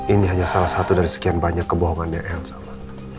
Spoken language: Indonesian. ini hanya salah satu dari sekian banyak kebohongannya yang salah